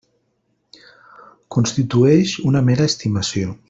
Constitueix una mera estimació.